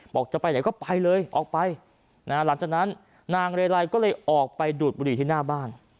จะไปไหนก็ไปเลยออกไปหลังจากนั้นนางเรไลก็เลยออกไปดูดบุหรี่ที่หน้าบ้าน